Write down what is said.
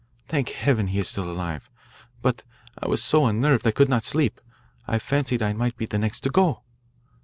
Thank Heaven, he is still alive! But I was so unnerved I could not sleep. I fancied I might be the next to go.